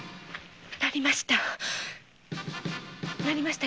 なりました。